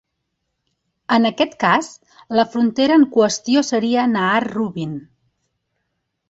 En aquest cas, la frontera en qüestió seria Nahr Rubin.